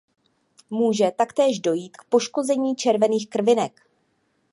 Může taktéž dojít k poškození červených krvinek.